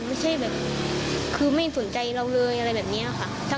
ไม่ใช่แบบคือไม่สนใจเราเลยอะไรแบบนี้ค่ะ